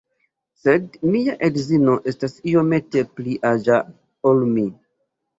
Sed mia edzino estas iomete pli aĝa ol mi